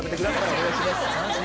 お願いします。